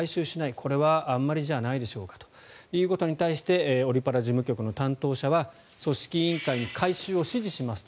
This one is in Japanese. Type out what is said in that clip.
これはあんまりじゃないでしょうかということに対してオリ・パラ事務局の担当者は組織委員会に回収を指示しますと。